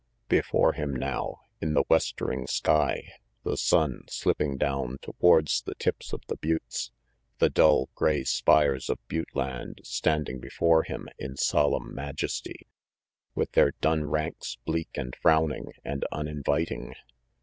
Before him now, in the westering sky, the sun slipping down towards the tips of the buttes. The dull, gray spires of butte land standing before him in solemn majesty, with their dun ranks bleak and frowning and uninviting.